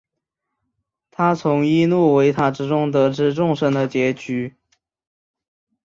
他从伊露维塔之中得知众生的结局。